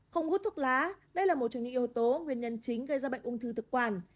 không hút thuốc lá đây là một trong những yếu tố nguyên nhân chính gây ra bệnh ung thư thực quản